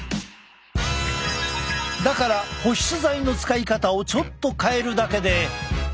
だから保湿剤の使い方をちょっと変えるだけで。